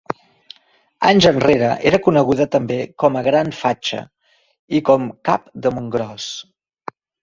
Anys enrere era coneguda també com a Gran Fatxa i com Cap de Montgròs.